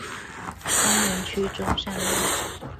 豐原區中山路